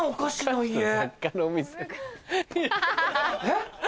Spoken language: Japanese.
えっ？